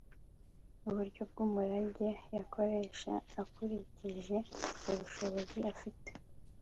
uburyo bw'umurage yakoresha akuriki- je ubushobozi afite